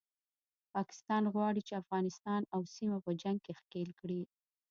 پاکستان غواړي چې افغانستان او سیمه په جنګ کې ښکیل کړي